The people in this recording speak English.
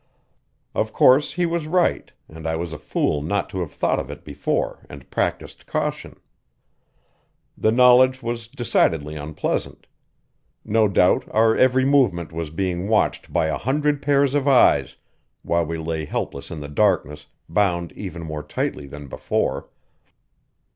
Of course he was right, and I was a fool not to have thought of it before and practised caution. The knowledge was decidedly unpleasant. No doubt our every movement was being watched by a hundred pairs of eyes, while we lay helpless in the darkness, bound even more tightly than before.